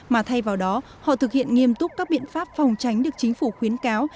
mà thay vào đó họ thực hiện nghiêm túc các biện pháp phòng tránh được chính phủ khuyến cáo